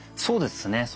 そうですね。